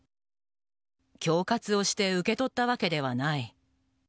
恐喝をして受け取ったわけではない。